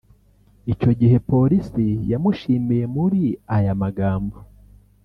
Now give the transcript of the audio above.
Icyo gihe Polisi yamushimiye muri aya magambo